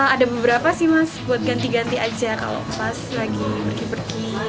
ada beberapa sih mas buat ganti ganti aja kalau pas lagi pergi pergi